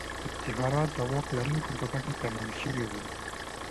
افتخارات د واک لرونکو په ګټه تمام سوي وو.